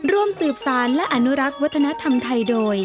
ร่วมสืบสารและอนุรักษ์วัฒนธรรมไทยโดย